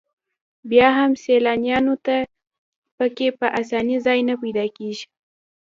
بیا هم سیلانیانو ته په کې په اسانۍ ځای نه پیدا کېږي.